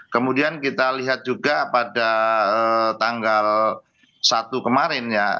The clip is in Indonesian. kemudian kita lihat juga pada tanggal satu kemarin ya